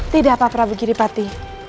tidak pak prabu giripati